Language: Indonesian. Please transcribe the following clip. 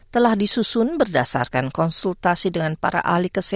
telah disusun berdasarkan konsultasi dengan para anggota